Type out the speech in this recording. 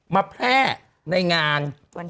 มาแพร่ในงาน